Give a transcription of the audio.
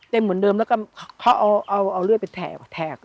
เต็มเหมือนเดิมแล้วก็เค้าเอาเลือดไปแถกแถก